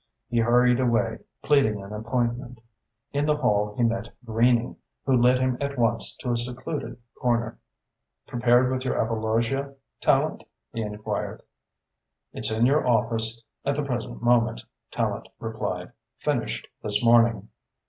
He hurried away, pleading an appointment. In the hall he met Greening, who led him at once to a secluded corner. "Prepared with your apologia, Tallente?" he enquired. "It's in your office at the present moment," Tallente replied, "finished this morning."